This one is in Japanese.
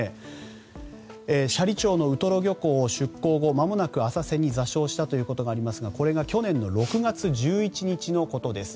斜里町のウトロ漁港を出港後まもなく浅瀬に座礁したということですがこれが去年６月１１日のことです。